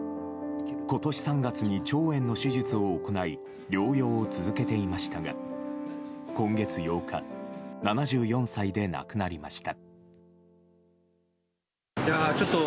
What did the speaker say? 今年３月に腸炎の手術を行い療養を続けていましたが今月８日７４歳で亡くなりました。